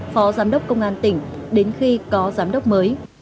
phó giám đốc công an tỉnh đến khi có giám đốc mới